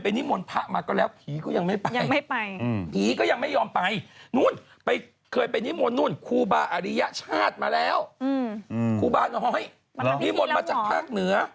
นี่หมดมาจากภาคเหนือ